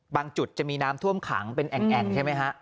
จุดจะมีน้ำท่วมขังเป็นแอ่งใช่ไหมฮะ